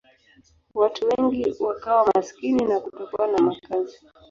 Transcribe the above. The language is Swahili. Watu wengi wakawa maskini na kutokuwa na makazi.